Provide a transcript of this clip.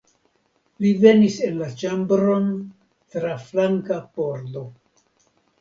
Li venis en la ĉambron tra flanka pordo.